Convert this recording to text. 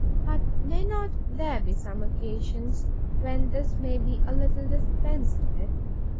But may not there be some occasions, where this may be a little dispensed with?